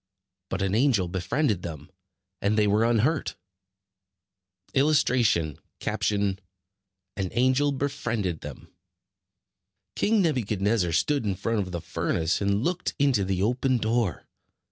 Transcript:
But an angel befriended them and they were unhurt. [Illustration: An angel befriended them] King Nebuchadnezzar stood in front of the furnace, and looked into the open door.